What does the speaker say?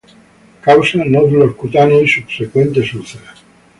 Causa nódulos cutáneos y subsecuentes úlceras.